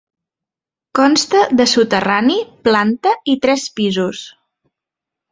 Consta de soterrani, planta i tres pisos.